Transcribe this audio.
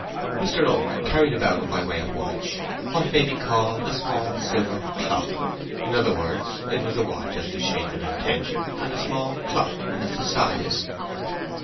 Mr. Oak carried about him, by way of watch, what may be called a small silver clock; in other words, it was a watch as to shape and intention, and a small clock as to size.